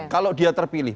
kalau dia terpilih